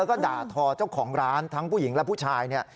แล้วก็ด่าทอเจ้าของร้านทั้งผู้หญิงและผู้ชายเนี่ย